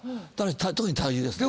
特に体重ですね。